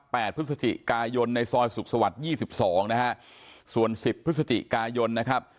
พฤศจิกายนในซอยสุขสวรรค์ยี่สิบสองนะฮะส่วนสิบพฤศจิกายนนะครับ